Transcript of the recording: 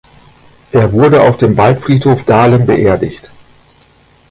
Er wurde auf dem Waldfriedhof Dahlem beerdigt.